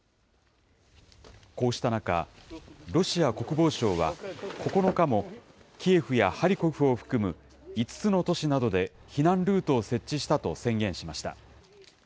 こうした中、ロシア国防省は９日も、キエフやハリコフを含む５つの都市などで避難ルートを設置したと宣言しました。